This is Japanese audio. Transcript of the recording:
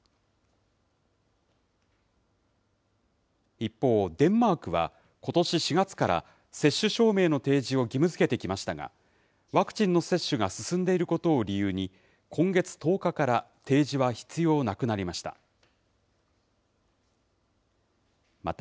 一方、デンマークは、ことし４月から、接種証明の提示を義務づけてきましたが、ワクチンの接種が進んでいることを理由に、今月１０日から提示は必要なくなりました。